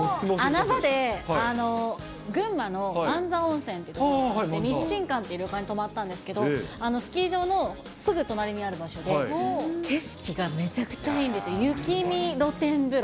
穴場で群馬のまんざ温泉というところで、にっしんかんっていう旅館に泊まったんですけど、スキー場のすぐ隣にある場所で、景色がめちゃくちゃいいんですよ、雪見露天風呂。